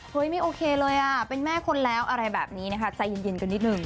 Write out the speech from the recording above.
ไม่โอเคเลยอ่ะเป็นแม่คนแล้วอะไรแบบนี้นะคะใจเย็นกันนิดนึง